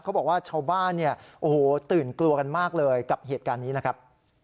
ชาวบ้านเนี่ยโอ้โหตื่นกลัวกันมากเลยกับเหตุการณ์นี้นะครับ